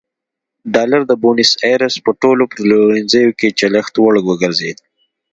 ډالر د بونیس ایرس په ټولو پلورنځیو کې چلښت وړ وګرځېد.